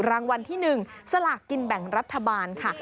รางวัลที่๑สลากกินแบ่งรัฐบาลค่ะ